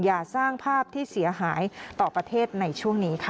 อย่าสร้างภาพที่เสียหายต่อประเทศในช่วงนี้ค่ะ